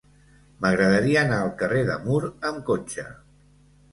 M'agradaria anar al carrer de Mur amb cotxe.